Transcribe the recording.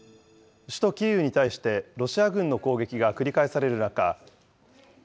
首都キーウに対して、ロシア軍の攻撃が繰り返される中。